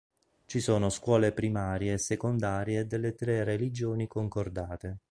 Ci sono scuole primarie e secondarie delle tre religioni concordate.